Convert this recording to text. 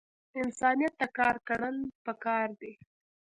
انسانیت ته کار کړل پکار دے